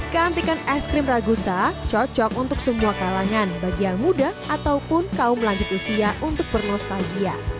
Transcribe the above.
keantikan es krim ragusa cocok untuk semua kalangan bagian muda ataupun kaum lanjut usia untuk bernostalgia